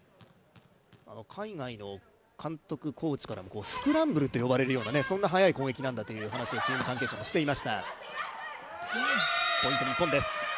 海外の監督、コーチからスクランブルと呼ばれるようなそんな速い攻撃なんだという話をチーム関係者もしていました。